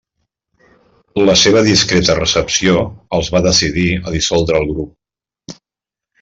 La seva discreta recepció els va decidir a dissoldre el grup.